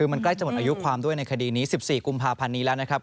มันใกล้จะหมดอายุความด้วยในคดีนี้๑๔กุมภาพันธ์นี้แล้วนะครับ